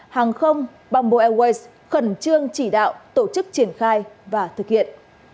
hàng không bamboo airways khẩn trương chỉ đạo tổ chức triển khai và thực hiện